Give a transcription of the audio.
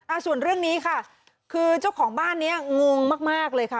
อ่าส่วนเรื่องนี้ค่ะคือเจ้าของบ้านเนี้ยงงมากมากเลยค่ะ